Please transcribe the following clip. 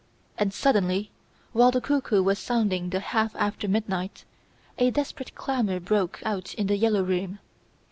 And, suddenly, while the cuckoo was sounding the half after midnight, a desperate clamour broke out in "The Yellow Room".